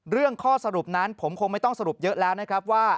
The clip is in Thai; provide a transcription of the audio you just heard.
ข้อสรุปนั้นผมคงไม่ต้องสรุปเยอะแล้วนะครับว่า